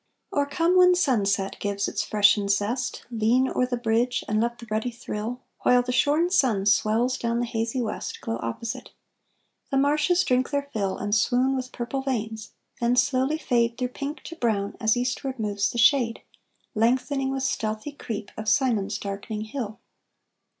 Or come when sunset gives its freshened zest, Lean o'er the bridge and let the ruddy thrill, While the shorn sun swells down the hazy west, Glow opposite; the marshes drink their fill And swoon with purple veins, then slowly fade Through pink to brown, as eastward moves the shade, Lengthening with stealthy creep, of Simond's darkening hill.